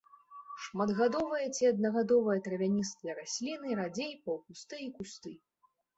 Шматгадовыя ці аднагадовыя травяністыя расліны, радзей паўкусты і кусты.